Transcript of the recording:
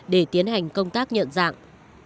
để tiến hành công tác nhận dạng